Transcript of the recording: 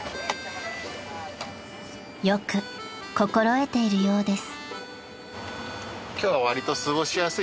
［よく心得ているようです］